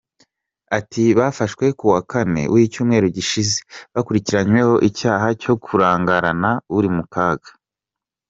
Ati “Bafashwe kuwa kane w’icyumweru gushize bakurikiranyweho icyaha cyo kurangarana uri mu kaga.